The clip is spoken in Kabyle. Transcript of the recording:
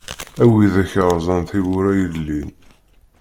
A widak yeṛẓan tibbura yellin.